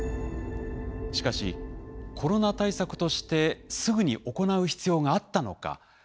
しかしコロナ対策としてすぐに行う必要があったのか。